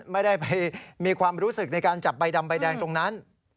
ไม่ได้ไปมีความรู้สึกในการจับใบดำใบแดงตรงนั้น